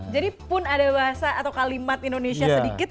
jadi pun ada bahasa atau kalimat indonesia sedikit